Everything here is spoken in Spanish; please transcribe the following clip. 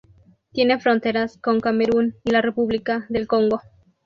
Tiene fronteras con Camerún y la República del Congo.